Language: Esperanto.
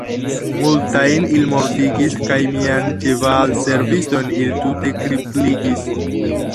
Multajn ili mortigis, kaj mian ĉevalserviston ili tute kripligis.